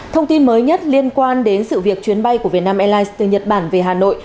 thông tin mới nhất liên quan đến sự việc chuyến bay của vietnam airlines từ nhật bản về hà nội